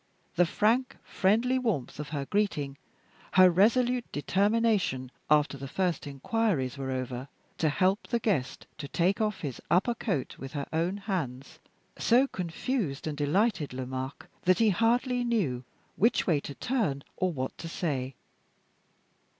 The frank, friendly warmth of her greeting; her resolute determination, after the first inquiries were over, to help the guest to take off his upper coat with her own hands, so confused and delighted Lomaque, that he hardly knew which way to turn, or what to say.